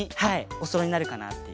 おそろいになるかなっていう。